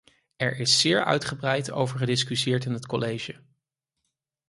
Er is zeer uitgebreid over gediscussieerd in het college.